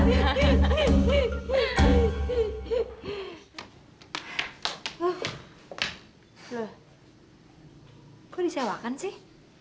loh loh kok disewakan sih